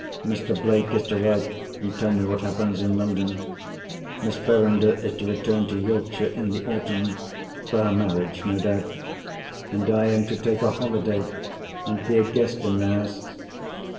Mr. Blake is to write, and tell me what happens in London. Miss Verinder is to return to Yorkshire in the autumn (for her marriage, no doubt); and I am to take a holiday, and be a guest in the house.